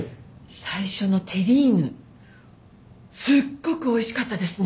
最初のテリーヌすっごくおいしかったですね。